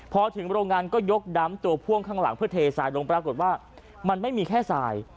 พอถึงโรงงานก็ยกดำตัวพ่วงข้างหลังเพื่อเททรายลงปรากฏว่ามันไม่มีแค่ทราย